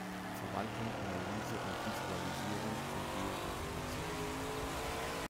Verwaltung, Analyse und Visualisierung von Geoinformationen.